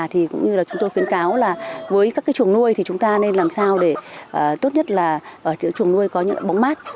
thì cũng như là chúng tôi khuyến cáo là với các cái chuồng nuôi thì chúng ta nên làm sao để tốt nhất là ở trùng nuôi có những bóng mát